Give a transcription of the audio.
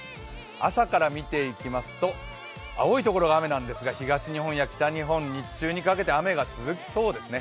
朝から見ていきますと青いところが雨なんですが、東日本や北日本、日中にかけて雨が続きそうですね。